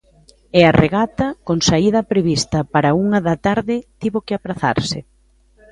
E a regata, con saída prevista para a unha da tarde, tivo que aprazarse.